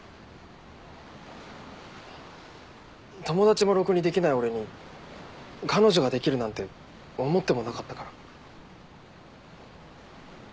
友達もろくにできない俺に彼女ができるなんて思ってもなかったから。